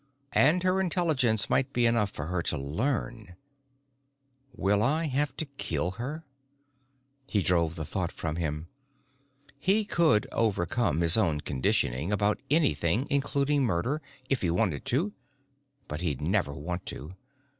And her intelligence might be enough for her to learn.... Will I have to kill her? He drove the thought from him. He could overcome his own conditioning about anything, including murder, if he wanted to, but he'd never want to.